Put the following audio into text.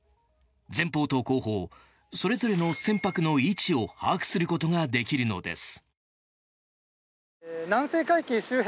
前方と後方それぞれの船舶の位置を把握することができるのです。